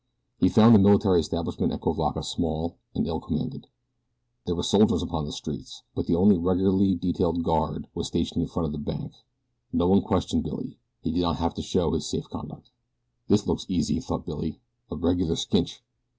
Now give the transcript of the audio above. He found the military establishment at Cuivaca small and ill commanded. There were soldiers upon the streets; but the only regularly detailed guard was stationed in front of the bank. No one questioned Billy. He did not have to show his safe conduct. "This looks easy," thought Billy. "A reg'lar skinch."